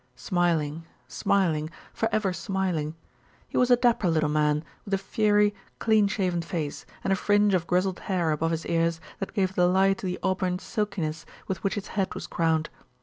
Smiling, smiling, for ever smiling. He was a dapper little man, with a fiery, clean shaven face, and a fringe of grizzled hair above his ears that gave the lie to the auburn silkiness with which his head was crowned.